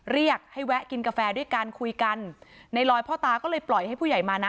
เรียกให้แวะกินกาแฟด้วยกันคุยกันในลอยพ่อตาก็เลยปล่อยให้ผู้ใหญ่มานะ